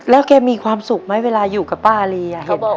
แล้วแกมีความสุขไหมเวลาอยู่กับป้าอารี